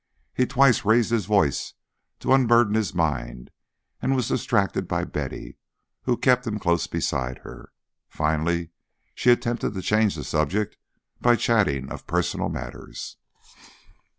He twice raised his voice to unburden his mind, and was distracted by Betty, who kept him close beside her. Finally she attempted to change the subject by chatting of personal matters.